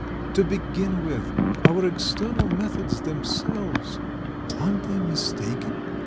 To begin with, our external methods themselves aren't they mistaken?